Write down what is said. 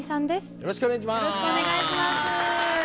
よろしくお願いします。